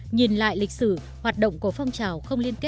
nhìn lại lịch sử hoạt động của phong trào không liên kết